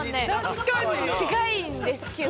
近いんですけど。